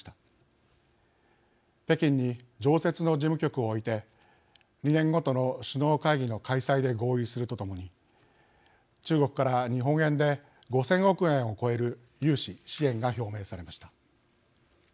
北京に常設の事務局を置いて２年ごとの首脳会議の開催で合意するとともに中国から日本円で５，０００億円を超える融資支援が表明されました。